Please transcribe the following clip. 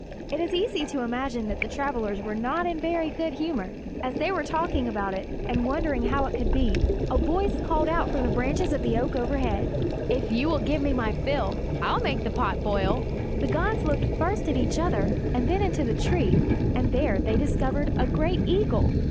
It is easy to imagine that the travelers were not in very good humor. As they were talking about it, and wondering how it could be, a voice called out from the branches of the oak overhead, "If you will give me my fill, I'll make the pot boil." The gods looked first at each other and then into the tree, and there they discovered a great eagle.